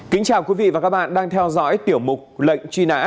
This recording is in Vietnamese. kính chào quý vị và các bạn đang theo dõi tiểu mục lệnh truy nã